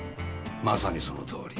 正にそのとおり。